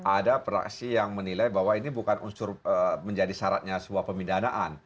ada praksi yang menilai bahwa ini bukan unsur menjadi syaratnya sebuah pemidanaan